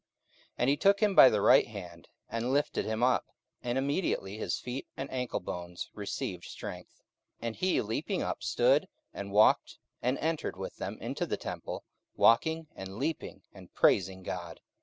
44:003:007 And he took him by the right hand, and lifted him up: and immediately his feet and ankle bones received strength. 44:003:008 And he leaping up stood, and walked, and entered with them into the temple, walking, and leaping, and praising God.